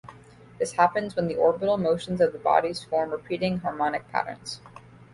This happens when the orbital motions of the bodies form repeating harmonic patterns.